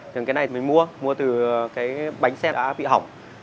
thì cái này mình mua mua từ cái bánh xe đã bị hỏng